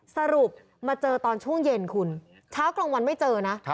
สรุปมาเจอตอนช่วงเย็นคุณเช้ากลางวันไม่เจอนะ